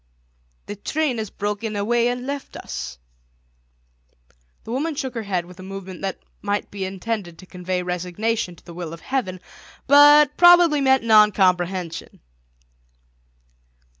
"The train has broken away and left us!" The woman shook her head with a movement that might be intended to convey resignation to the will of heaven, but probably meant noncomprehension.